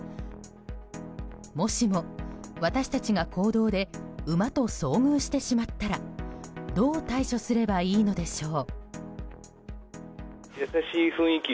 もしも、私たちが公道で馬と遭遇してしまったらどう対処すればいいのでしょう。